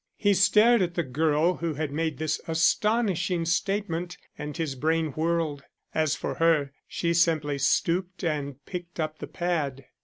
He stared at the girl who had made this astonishing statement, and his brain whirled. As for her, she simply stooped and picked up the pad.